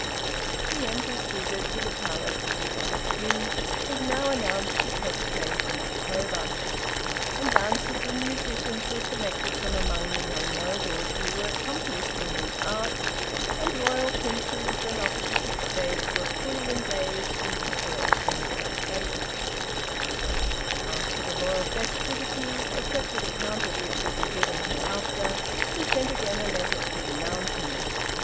The Emperor's visit to the Palace Suzak in was now announced to take place in October, and dancers and musicians were selected from among the young nobles who were accomplished in these arts, and Royal Princes and officers of State were fully engaged in preparation for the fête. After the Royal festivities, a separate account of which will be given hereafter, he sent again a letter to the mountain.